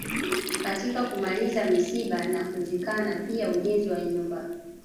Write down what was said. Katika kumaliza misiba na kuzikana pia ujenzi wa nyumba